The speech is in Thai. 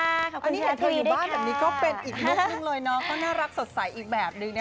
อันนี้เห็นเธออยู่บ้านแบบนี้ก็เป็นอีกลูกหนึ่งเลยน้องก็น่ารักสดใสอีกแบบนึงนะ